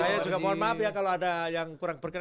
saya juga mohon maaf ya kalau ada yang kurang bergerak